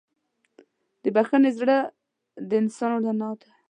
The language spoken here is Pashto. د بښنې زړه د انسان رڼا ده.